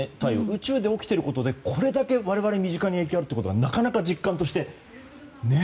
宇宙で起きていることでこれだけ我々に影響があるというのはなかなか実感としてね。